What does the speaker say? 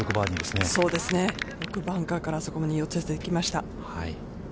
よくバンカーからあそこまで寄せてきました。